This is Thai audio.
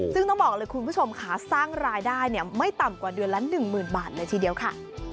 ซึ่งต้องบอกเลยคุณผู้ชมค่ะสร้างรายได้ไม่ต่ำกว่าเดือนละ๑๐๐๐บาทเลยทีเดียวค่ะ